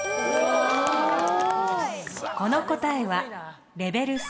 この答えはレベル３。